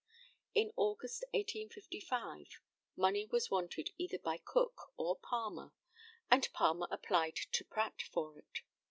In August, 1855, money was wanted either by Cook or Palmer, and Palmer applied to Pratt for it.